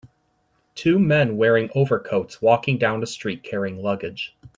Two men wearing overcoats walking down the street carrying luggage.